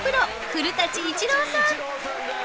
古舘伊知郎さん。